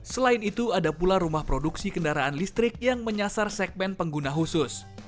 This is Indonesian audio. selain itu ada pula rumah produksi kendaraan listrik yang menyasar segmen pengguna khusus